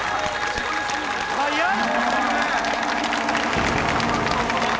速い！